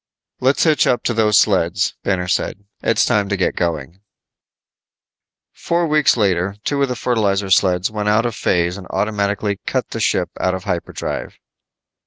"Let's hitch up to those sleds," Banner said. "It's time to get going." Four weeks later two of the fertilizer sleds went out of phase and automatically cut the ship out of hyperdrive.